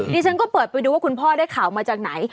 ดิฉันก็เปิดไปดูว่าคุณพ่อได้ข่าวมาจากไหน